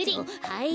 はい。